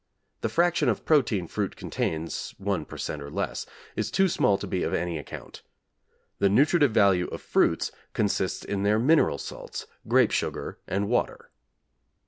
The fraction of protein fruit contains, 1 per cent. or less, is too small to be of any account. The nutritive value of fruits consists in their mineral salts, grape sugar and water.